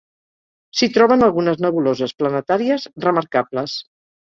S'hi troben algunes nebuloses planetàries remarcables.